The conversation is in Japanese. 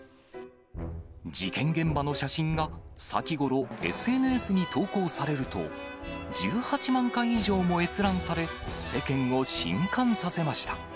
事件現場の写真が、先頃ＳＮＳに投稿されると、１８万回以上も閲覧され、世間をしんかんさせました。